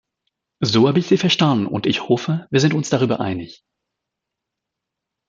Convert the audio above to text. So habe ich Sie verstanden, und ich hoffe, wir sind uns darüber einig.